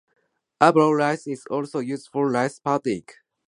Arborio rice is also used for rice pudding.